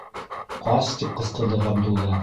Ҡас! - тип ҡысҡырҙы Ғабдулла.